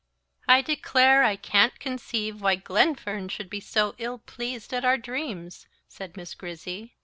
"I declare I can't conceive why Glenfern should be so ill pleased at our dreams," said Miss Grizzy.